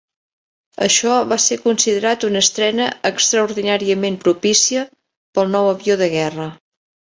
Això va ser considerat una estrena extraordinàriament propícia pel nou avió de guerra.